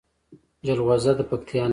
جلغوزه د پکتیا نښه ده.